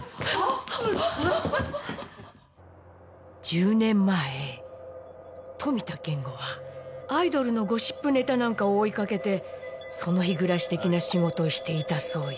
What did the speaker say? １０年前富田健吾はアイドルのゴシップネタなんかを追いかけてその日暮らし的な仕事をしていたそうよ。